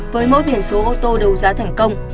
với mẫu biển số ô tô đấu giá thành công